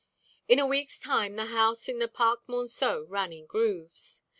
In a week's time the house in the Parc Monceau ran in grooves.